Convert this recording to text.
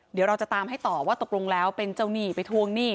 เดี๋ยวเราจะตามให้ต่อว่าตกลงแล้วเป็นเจ้าหนี้ไปทวงหนี้